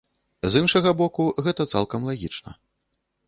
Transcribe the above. З іншага боку, гэта цалкам лагічна.